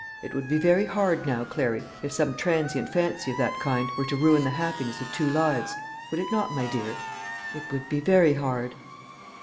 It would be very hard now, Clary, if some transient fancy of that kind were to ruin the happiness of two lives would it not, my dear?" "It would be very hard."